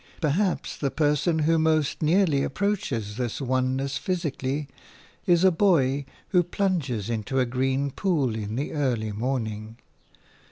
Perhaps the person who most nearly approaches this oneness physically is a boy who plunges into a green pool in the early morning.